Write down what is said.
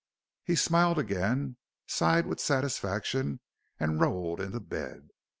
He smiled again, sighed with satisfaction, and rolled into bed.